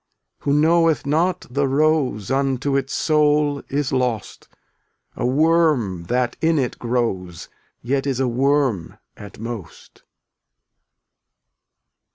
Who knoweth not the rose Unto its soul is lost — A worm that in it grows Yet is a worm at most.